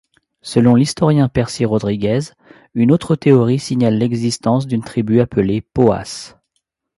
Selon l'historien Percy Rodriguez, une autre théorie signale l'existence d'une tribu appelée Poas.